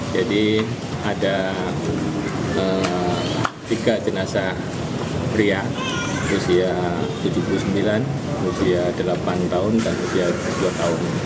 jadi ada tiga jenasa pria usia tujuh puluh sembilan usia delapan tahun dan usia dua belas tahun